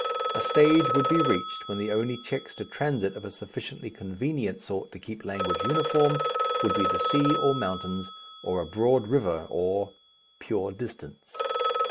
A stage would be reached when the only checks to transit of a sufficiently convenient sort to keep language uniform would be the sea or mountains or a broad river or pure distance.